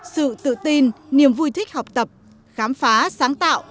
sự tự tin niềm vui thích học tập khám phá sáng tạo